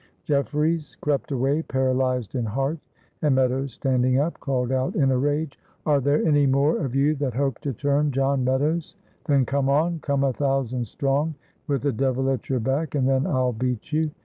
Jefferies crept away, paralyzed in heart, and Meadows, standing up, called out in a rage: "Are there any more of you that hope to turn John Meadows? then come on, come a thousand strong, with the devil at your back and then I'll beat you!"